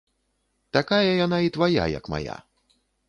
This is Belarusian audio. Такая яна і твая, як мая.